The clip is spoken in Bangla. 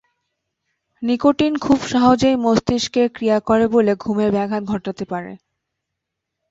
নিকোটিন খুব সহজেই মস্তিষ্কে ক্রিয়া করে বলে ঘুমের ব্যাঘাত ঘটাতে পারে।